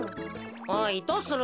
おいどうする？